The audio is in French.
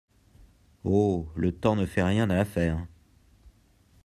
Oh! Le temps ne fait rien à l’affaire...